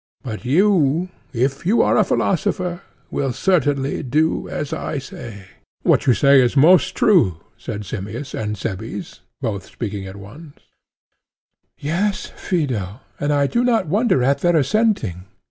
But you, if you are a philosopher, will certainly do as I say. What you say is most true, said Simmias and Cebes, both speaking at once. ECHECRATES: Yes, Phaedo; and I do not wonder at their assenting.